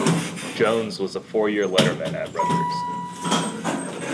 Jones was a four-year letterman at Rutgers.